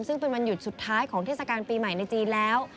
ซึ่งเป็นวันหยุดสุดท้ายของเทศกาลปีใหม่ในจีนแล้ว